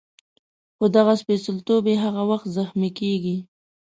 خو دغه سپېڅلتوب یې هغه وخت زخمي کېږي.